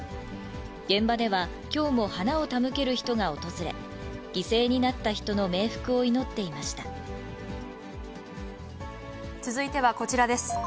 現場では、きょうも花を手向ける人が訪れ、犠牲になった人の冥福を祈ってい続いてはこちらです。